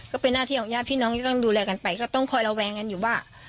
ก็เป็นหน้าที่ของญาติพี่น้องที่ต้องดูแลกันไปก็ต้องคอยระแวงกันอยู่ว่า